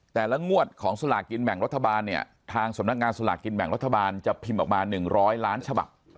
แต่ละงวดของสลากกินแบ่งรัฐบาลเนี่ยทางสำนักงานสลากกินแบ่งรัฐบาลจะพิมพ์ออกมา๑๐๐ล้านฉบับ